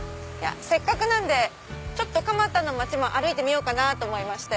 せっかくなんで蒲田の町も歩いてみようかなと思いまして。